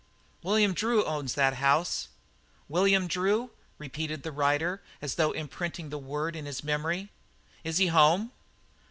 "William Drew, he owns that house." "William Drew?" repeated the rider, as though imprinting the word on his memory. "Is he home?"